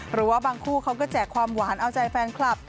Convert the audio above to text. หรือว่าบางคู่เขาก็แจกความหวานเอาใจแฟนคลับ